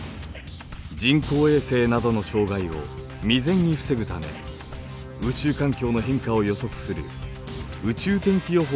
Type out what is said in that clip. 人工衛星などの障害を未然に防ぐため宇宙環境の変化を予測する宇宙天気予報を発表しています。